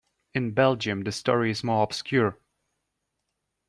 In Belgium the story is more obscure.